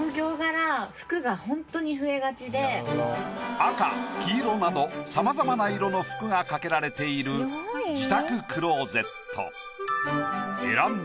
赤黄色などさまざまな色の服が掛けられている自宅クローゼット。